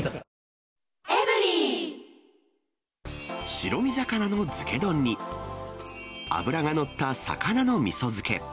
白身魚の漬け丼に、脂が乗った魚のみそ漬け。